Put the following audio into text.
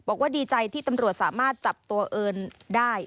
บอกว่าดีใจที่ตำรวจสามารถจับตัวเอิญได้